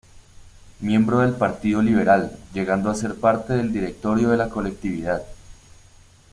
Miembro del Partido Liberal, llegando a ser parte del directorio de la colectividad.